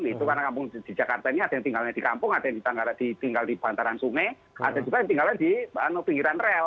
itu karena kampung di jakarta ini ada yang tinggalnya di kampung ada yang tinggal di bantaran sungai ada juga yang tinggalnya di pinggiran rel